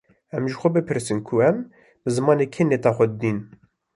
Em ji xwe bipirsin ku em bi zimanê kê nêta xwe dînin